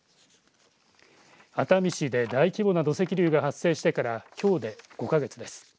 熱海市で大規模な土石流が発生してからきょうで５か月です。